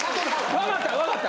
わかったわかった。